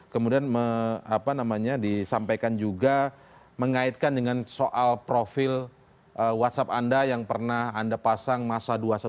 kemudian disampaikan juga mengaitkan dengan soal profil whatsapp anda yang pernah anda pasang masa dua ratus dua belas